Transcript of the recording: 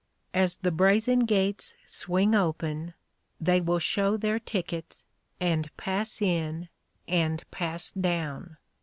As the brazen gates swing open they will show their tickets, and pass in and pass down.